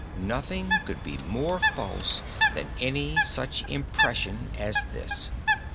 Nothing could be more false than any such impression as this.